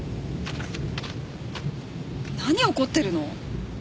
何怒ってるの？